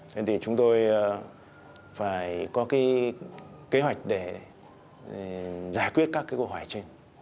thế thì chúng tôi phải có cái kế hoạch để giải quyết các cái câu hỏi trên